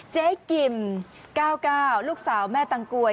เจ๊กิม๙๙ลูกสาวแม่ตังกวย